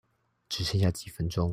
只剩下幾分鐘